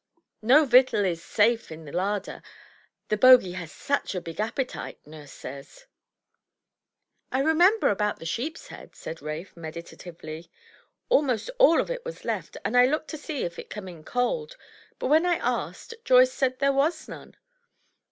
No victual is safe in the larder, the Bogie has such a big appetite, nurse says." "I remember about the sheep's head," said Rafe, meditatively. "Almost all of it was left, and I looked to see it come in cold; but when I asked, Joyce said there was none.